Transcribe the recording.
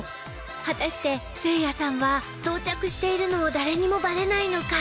果たしてせいやさんは装着しているのを誰にもバレないのか？